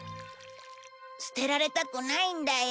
捨てられたくないんだよ。